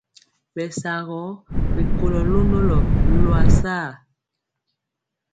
Bɛsaagɔ ri kolo londɔlo loasare.